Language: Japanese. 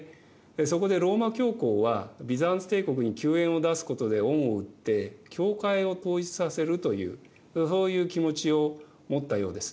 そこでローマ教皇はビザンツ帝国に救援を出すことで恩を売って教会を統一させるというそういう気持ちを持ったようです。